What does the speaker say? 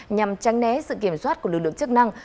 nhằm tránh né sự kiểm soát của lực lượng chức năng